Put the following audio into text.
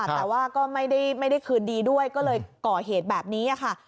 แต่ว่าก็ไม่ได้คืนดีด้วยก็เลยก่อเหตุแบบนี้ค่ะ